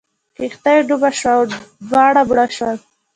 کښتۍ ډوبه شوه او دواړه مړه شول.